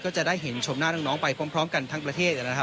ก็จะได้เห็นชมหน้าน้องไปพร้อมกันทั้งประเทศนะครับ